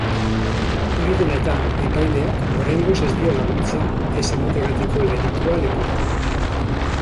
Hori dela eta, epaileak oraingoz ez dio laguntza ez emategatiko delitua leporatu.